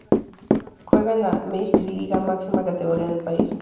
Juega en la Meistriliiga, máxima categoría del país.